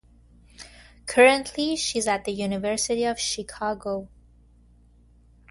Currently, she is at the University of Chicago.